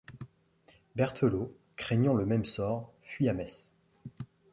Berthelot, craignant le même sort, fuit à Metz.